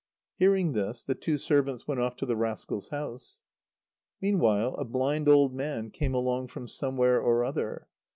Hearing this, the two servants went off to the rascal's house. Meanwhile a blind old man came along from somewhere or other.